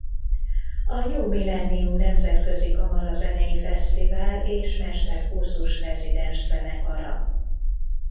A New Millennium Nemzetközi Kamarazenei Fesztivál és Mesterkurzus rezidens zenekara.